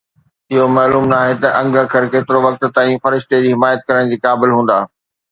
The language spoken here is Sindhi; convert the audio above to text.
اهو معلوم ناهي ته انگ اکر ڪيترو وقت تائين فرشتي جي حمايت ڪرڻ جي قابل هوندا.